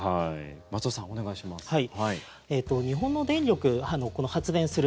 松尾さん、お願いします。